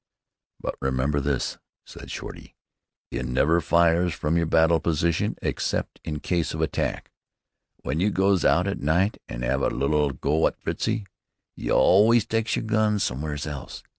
"But remember this," said Shorty, "you never fires from your battle position except in case of attack. W'en you goes out at night to 'ave a little go at Fritzie, you always tykes yer gun sommers else.